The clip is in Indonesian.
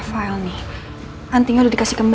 terima kasih ma